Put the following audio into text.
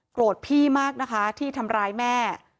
พี่มากนะคะที่ทำร้ายแม่